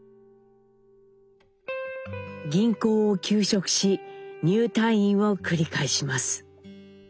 銀行を休職し入退院を繰り返します。